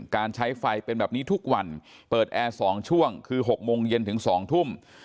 การใช้ไฟเป็นแบบนี้ทุกวันเปิดแอร์๒ช่วงคือ๖โมงเย็นถึง๒ทุ่ม